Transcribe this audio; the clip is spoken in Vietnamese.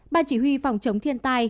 ban chỉ huy phòng chống thiên tai